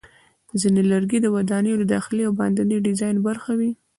ځینې لرګي د ودانیو د داخلي او باندني ډیزاین برخه وي.